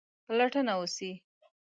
پلټنه وسي.